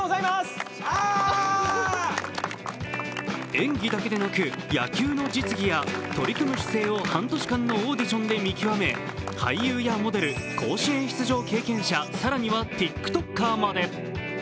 演技だけでなく野球の実技や取り組む姿勢を半年間のオーディションで見極め、俳優やモデル、甲子園出場経験者、更にはＴｉｋＴｏｋｅｒまで。